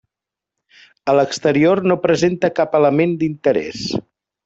A l'exterior no presenta cap element d'interès.